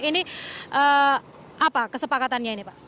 ini apa kesepakatannya ini pak